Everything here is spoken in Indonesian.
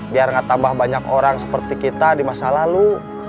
biar gak tambah banyak orang seperti kita di masa lalu